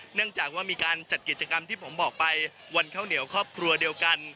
เนื่องจากว่ามีการจัดกิจกรรมที่ผมบอกไปวันข้าวเหนียวครอบครัวเดียวกัน